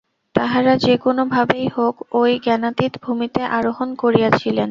তাঁহারা যে-কোন ভাবেই হউক, ঐ জ্ঞানাতীত ভূমিতে আরোহণ করিয়াছিলেন।